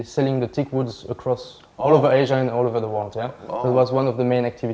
ทั้งตั้งเณี่ยงประเทศอเมริกาและทุกประธานาธิบดิ์